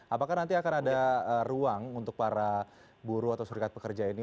apakah nanti akan ada ruang untuk para buruh atau serikat pekerja ini